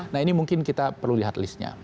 nah ini mungkin kita perlu lihat listnya